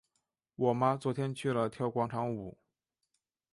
我妈昨天去了跳广场舞。